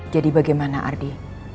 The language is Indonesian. jadi bagaimana ardi